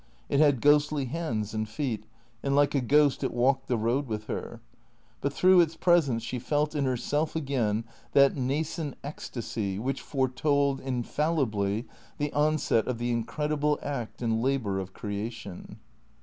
It had ghostly hands and feet, and like a ghost it walked the road with her. But through its pres ence she felt in herself again that nascent ecstasy which foretold, infallibly, the onset of the incredible act and labour of creation.